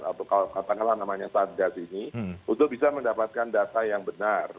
atau katakanlah namanya satgas ini untuk bisa mendapatkan data yang benar